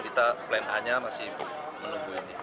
kita plan a nya masih menunggu ini